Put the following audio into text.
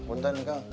buntan nih kang